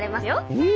うん。